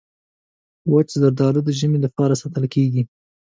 وچ زردالو د ژمي لپاره ساتل کېږي.